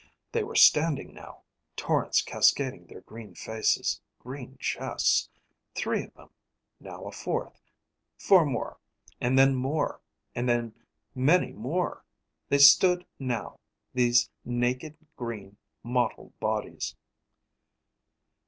They were standing now, torrents cascading their green faces, green chests. Three of them, now a fourth. Four more, and then more, and then many more. They stood, now, these naked, green, mottled bodies.